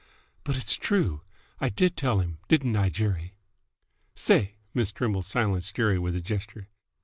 "But it's true! I did tell him, didn't I, Jerry?" "Say!" Miss Trimble silenced Jerry with a gesture.